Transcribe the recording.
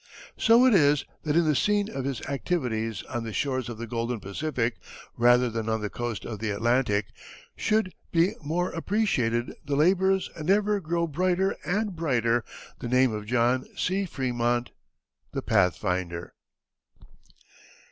So it is that in the scene of his activities on the shores of the golden Pacific, rather than on the coast of the Atlantic, should be more appreciated the labors and ever grow brighter and brighter the name of John C. Frémont, the Pathfinder.